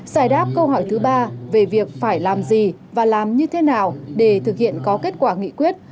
giải đáp câu hỏi thứ ba về việc phải làm gì và làm như thế nào để thực hiện có kết quả nghị quyết